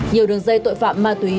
nhiều đường dây tội phạm ma túy